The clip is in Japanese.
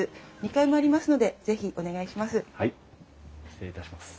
２階もありますので是非お願いします。